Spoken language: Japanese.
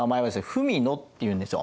「文野」っていうんですよ。